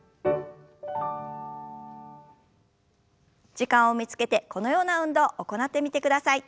時間を見つけてこのような運動を行ってみてください。